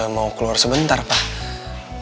mau keluar sebentar pak